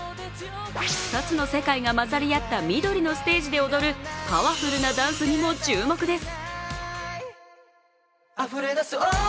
２つの世界が混ざり合った緑のステージで踊る、パワフルなダンスにも注目です。